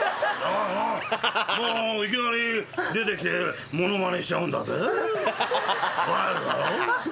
「もういきなり出てきて物まねしちゃうんだぜ？」